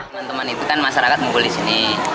teman teman itu kan masyarakat ngumpul di sini